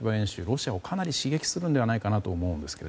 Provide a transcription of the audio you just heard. ロシアをかなり刺激するのではないかなと思うんですが。